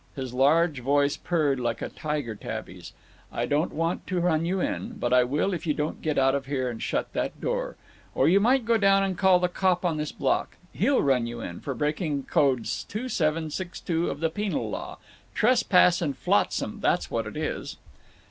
His large voice purred like a tiger tabby's. "I don't want to run you in, but I will if you don't get out of here and shut that door. Or you might go down and call the cop on this block. He'll run you in—for breaking Code 2762 of the Penal Law! Trespass and flotsam—that's what it is!"